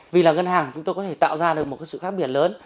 vì là ngân hàng chúng tôi có thể tạo ra được một sự khác biệt lớn